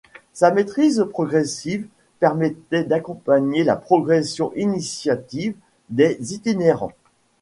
Sa maîtrise progressive permettait d’accompagner la progression initiatique des itinérants.